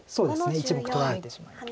１目取られてしまいます。